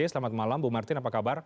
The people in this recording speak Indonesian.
selamat malam bu martin apa kabar